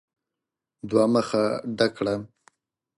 دوه مخه ډک کړه !